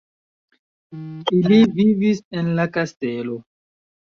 Ili vivis en la kastelo.